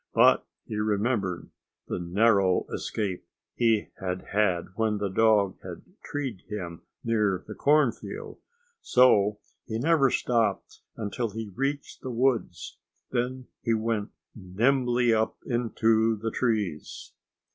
But he remembered, the narrow escape he had had when the dog had treed him near the cornfield. So he never stopped until he reached the woods. Then he went nimbly up into the trees.